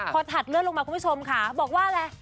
พอถัดเลือดลงมาคุณผู้ชมค่ะบอกว่าอะไร